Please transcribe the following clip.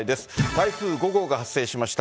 台風５号が発生しました。